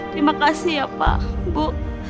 terima kasih ya pak bu